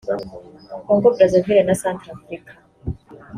Congo Brazzaville na Centrafrica